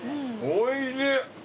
おいしい！